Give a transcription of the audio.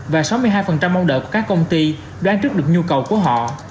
và sáu mươi hai mong đợi của các công ty đoán trước được nhu cầu của họ